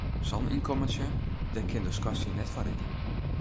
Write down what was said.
Sa'n ynkommentsje, dêr kin de skoarstien net fan rikje.